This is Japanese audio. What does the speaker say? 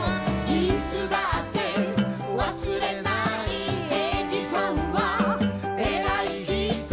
「いつだってわすれない」「エジソンはえらい人」